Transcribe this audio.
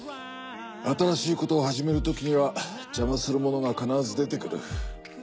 新しいことを始めるときには邪魔するものが必ず出てくる。